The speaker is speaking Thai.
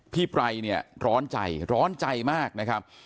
พี่ไปร์ร้อนใจร้อนใจมากนะครับ